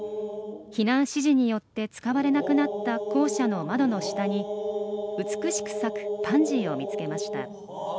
避難指示によって使われなくなった校舎の窓の下に美しく咲くパンジーを見つけました。